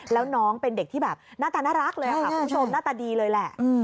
แล้วน้องเป็นเด็กที่แบบหน้าตาน่ารักเลยค่ะคุณผู้ชมหน้าตาดีเลยแหละ